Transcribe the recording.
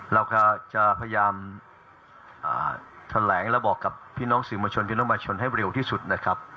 เราก็จะพยายามแถลงและบอกกับพี่น้องสื่อมวลชนพี่น้องมาชนให้เร็วที่สุดนะครับ